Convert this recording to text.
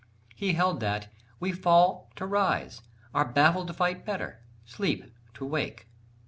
He held that "we fall to rise are baffled to fight better, sleep, to wake."